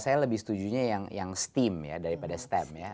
saya lebih setujunya yang steam ya daripada stem ya